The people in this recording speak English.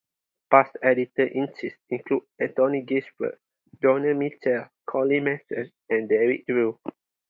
Past editors-in-chief include Anthony Gishford, Donald Mitchell, Colin Mason, and David Drew.